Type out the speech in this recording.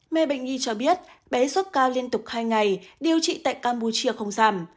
mê bệnh nhi cho biết bé sốt cao liên tục hai ngày điều trị tại campuchia không giảm